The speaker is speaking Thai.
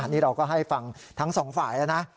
นี่เราก็ให้ฟังทั้งสองฝ่ายแล้วนะ